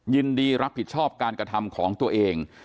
ยินดีรับผิดชอบการกระทำของตัวเอง